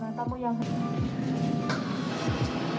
darunan tamu yang